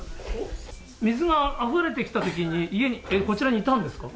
水があふれてきたときに、家に、こちらにいたんですか。